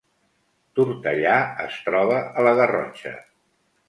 Tortellà es troba a la Garrotxa